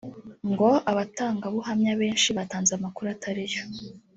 ngo abatangabuhamya benshi batanze amakuru atari yo